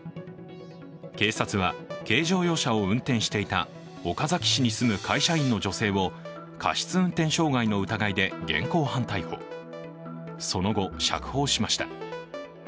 警察は軽乗用車を運転していた岡崎市に住む会社員の女性を過失運転傷害の疑いで現行犯逮捕、その後釈放しました。